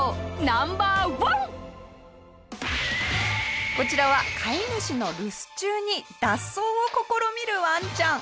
下平：こちらは飼い主の留守中に脱走を試みるワンちゃん。